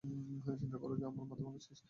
চিন্তা কর যে, আমার মাথা ভাঙছিস।